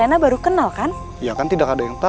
agar kamu bisaication di ras negeri